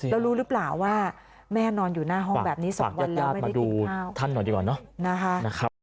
แล้วรู้หรือเปล่าว่าแม่นอนอยู่หน้าห้องแบบนี้สองวันแล้วไม่ได้กินข้าว